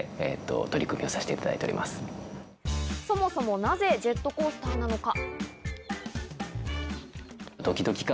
そもそもなぜジェットコースターなのか？